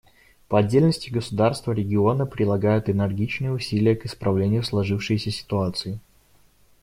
По отдельности государства региона прилагают энергичные усилия к исправлению сложившейся ситуации.